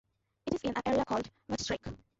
It is in an area called the "Vechtstreek".